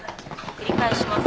繰り返します。